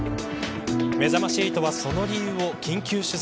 めざまし８は、その理由を緊急取材。